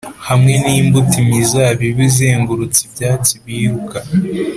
hamwe n'imbuto imizabibu izengurutsa ibyatsi biruka;